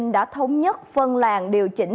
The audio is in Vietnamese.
đã thống nhất phân làng điều chỉnh